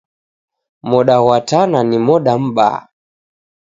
Moda ghwa Tana ni moda mbaha.